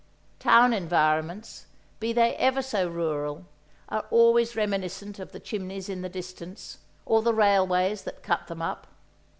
Town environments, be they ever so rural, are always reminiscent of the chimneys in the distance, or the railways that cut them up.